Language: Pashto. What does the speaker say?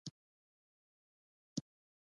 دا چې ارجنټاین سیمه بېوزله ده تصادف نه دی.